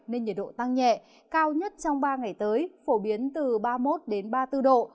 nên nhiệt độ tăng nhẹ cao nhất trong ba ngày tới phổ biến từ ba mươi một ba mươi bốn độ